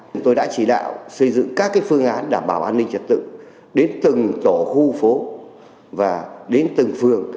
chúng tôi đã chỉ đạo xây dựng các phương án đảm bảo an ninh trật tự đến từng tổ khu phố và đến từng phường